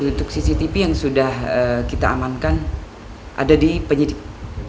untuk cctv yang sudah kita amankan ada di penyidik